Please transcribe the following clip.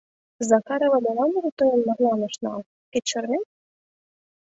Захарова, молан тудо тыйым марлан ыш нал, кеч шарнет?